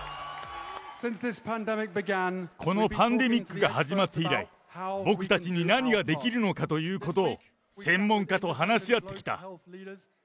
このパンデミックが始まって以来、僕たちに何ができるのかということを専門家と話し合ってきた。